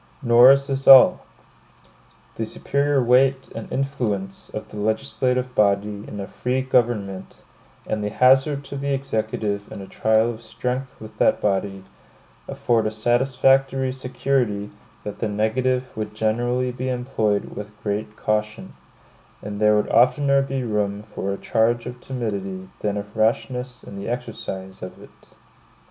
Nor is this all. The superior weight and influence of the legislative body in a free government, and the hazard to the Executive in a trial of strength with that body, afford a satisfactory security that the negative would generally be employed with great caution; and there would oftener be room for a charge of timidity than of rashness in the exercise of it.